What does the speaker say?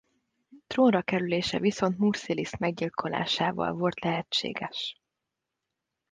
Trónra kerülése viszont Murszilisz meggyilkolásával volt lehetséges.